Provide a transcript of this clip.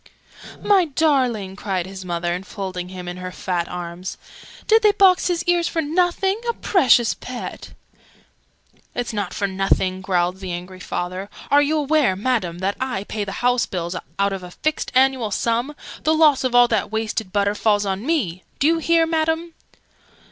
"My darling!" cried his mother, enfolding him in her fat arms. "Did they box his ears for nothing? A precious pet!" "It's not for nothing!" growled the angry father. "Are you aware, Madam, that I pay the house bills, out of a fixed annual sum? The loss of all that wasted butter falls on me! Do you hear, Madam!"